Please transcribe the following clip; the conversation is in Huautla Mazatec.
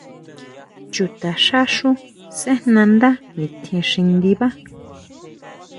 Chutaxá xú sʼejnanda nitjín xi ndibá.